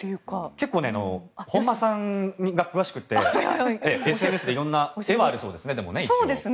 結構、本間さんが詳しくてＳＮＳで色々な絵はあるようですね。